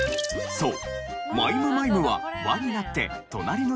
そう。